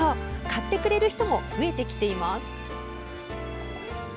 買ってくれる人も増えてきています。